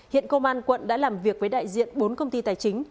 hiện công an quận đã làm việc với đại diện bốn công ty tài chính